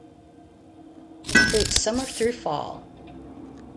It fruits summer through fall.